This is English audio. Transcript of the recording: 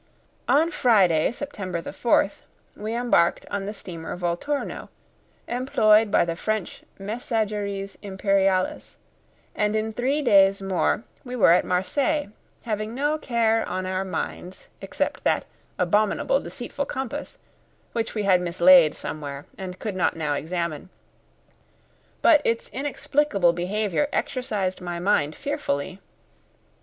On Friday, September the 4th, we embarked on the steamer Volturno, employed by the French Messageries Imperiales, and in three days more we were at Marseilles, having no care on our minds except that abominable deceitful compass, which we had mislaid somewhere and could not now examine; but its inexplicable behaviour exercised my mind fearfully.